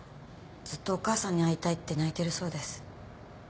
ずっとお母さんに会いたいって泣いてるそうです。